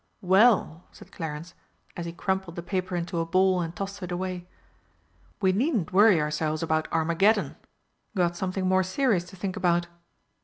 "Well," said Clarence, as he crumpled the paper into a ball and tossed it away, "we needn't worry ourselves about Armageddon got something more serious to think about."